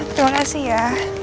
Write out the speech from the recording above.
terima kasih ya